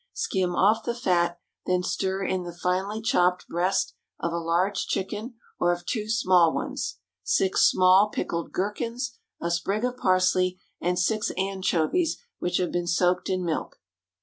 Skim off the fat, then stir in the finely chopped breast of a large chicken or of two small ones, six small pickled gherkins, a sprig of parsley, and six anchovies which have been soaked in milk.